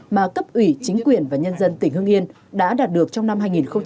mà cấp ủy chính quyền và nhân dân tỉnh hưng yên đã đạt được trong năm hai nghìn hai mươi hai